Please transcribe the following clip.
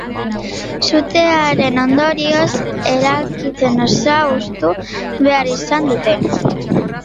Sutearen ondorioz, eraikin osoa hustu behar izan dute.